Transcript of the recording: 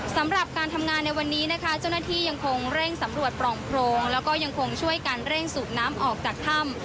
สำหรับการทำงานในวันนี้นะคะเจ้าหน้าที่ยังคงเร่งสำรวจปล่องโพรงแล้วก็ยังคงช่วยกันเร่งสูบน้ำออกจากถ้ำ